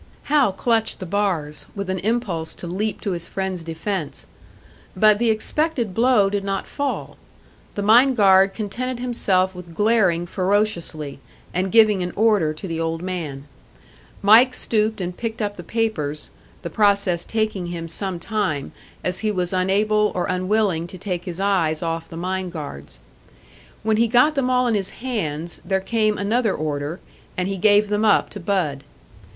Hal clutched the bars, with an impulse to leap to his friend's defence. But the expected blow did not fall; the mine guard contented himself with glaring ferociously, and giving an order to the old man. Mike stooped and picked up the papers the process taking him some time, as he was unable or unwilling to take his eyes off the mine guard's. When he got them all in his hands, there came another order, and he gave them up to Bud.